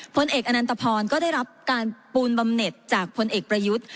พลเอกอนันตพรก็ได้รับการปูนบำเน็ตจากพลเอกประยุทธ์